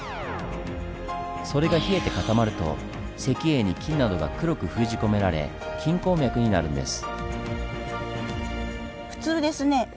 それが冷えて固まると石英に金などが黒く封じ込められ金鉱脈になるんです。